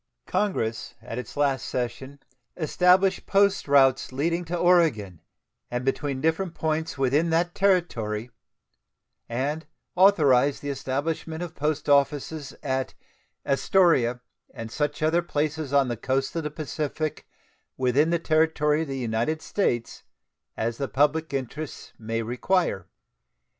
Congress at its last session established post routes leading to Oregon, and between different points within that Territory, and authorized the establishment of post offices at "Astoria and such other places on the coasts of the Pacific within the territory of the United States as the public interests may require."